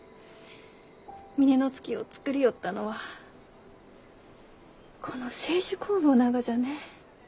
峰乃月を造りよったのはこの清酒酵母ながじゃね。